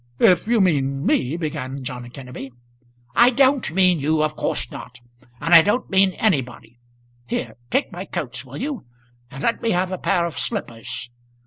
"If you mean me " began John Kenneby. "I don't mean you; of course not; and I don't mean anybody. Here, take my coats, will you? and let me have a pair of slippers.